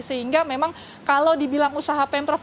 sehingga memang kalau dibilang usaha pemprov